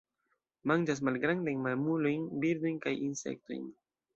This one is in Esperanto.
Manĝas malgrandajn mamulojn, birdojn kaj insektojn.